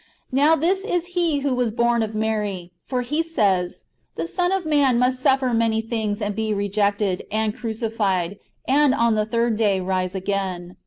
"^ Now this is He who was born of INIary ; for He says :" The Son of man must suffer many things, and be rejected, and crucified, and on the third day rise again."